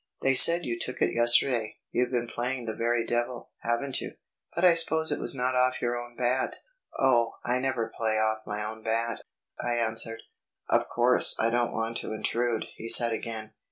"They said you took it yesterday. You've been playing the very devil, haven't you? But I suppose it was not off your own bat?" "Oh, I never play off my own bat," I answered. "Of course I don't want to intrude," he said again.